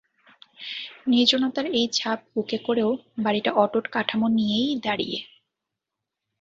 নির্জনতার এই ছাপ বুকে করেও বাড়িটা অটুট কাঠমো নিয়েই দাঁড়িয়ে।